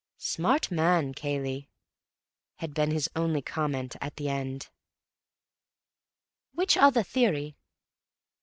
"Smart man, Cayley," had been his only comment at the end. "Which other theory?"